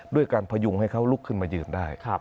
ด้วยการพยุงให้เขาลุกขึ้นมายืนได้